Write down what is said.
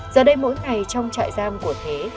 giờ đây mỗi ngày trong trại giam của thế